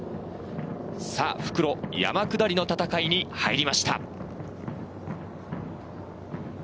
さぁ、復路、山下りの戦いに入りました。